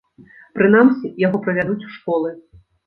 Прынамсі, яго правядуць у школы.